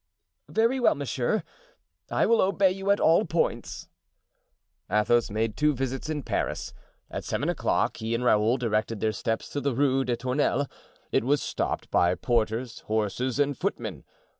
"Very well, monsieur; I will obey you at all points." Athos made two visits in Paris; at seven o'clock he and Raoul directed their steps to the Rue des Tournelles; it was stopped by porters, horses and footmen.